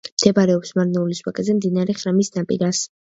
მდებარეობს მარნეულის ვაკეზე, მდინარე ხრამის ნაპირას.